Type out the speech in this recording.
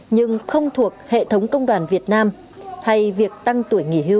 nhưng không thuộc hệ thống công đoàn việt nam hay việc tăng tuổi nghỉ hưu